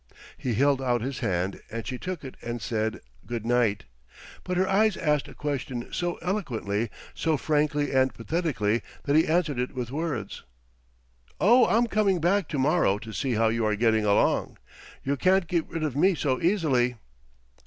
He held out his hand, and she took it and said "good night." But her eyes asked a question so eloquently, so frankly and pathetically that he answered it with words. "Oh, I'm coming back to morrow to see how you are getting along. You can't get rid of me so easily."